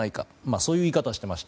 そういう言い方をしていました。